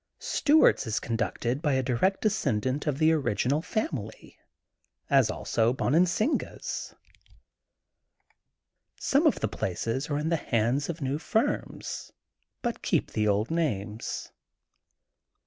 Stuart's is conducted by a direct descendant of the origi nal family, as also Bonansinga's. Some of THE GOLDEN BOOK OF SPRINGFIELD 141 the places are in the hands of new firms but keep the old names.